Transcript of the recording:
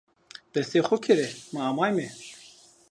Dest xo kêre, ma amayme.